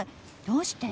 どうして？